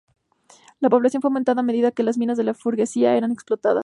La población fue aumentando a medida que las minas de la freguesia eran explotadas.